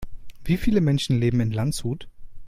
Wie viele Menschen leben in Landshut?